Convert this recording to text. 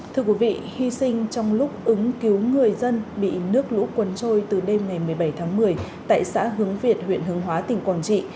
thưa quý vị hy sinh trong lúc ứng cứu người dân bị nước lũ cuốn trôi từ đêm ngày một mươi bảy tháng một mươi tại xã hướng việt huyện hướng hóa tỉnh quảng trị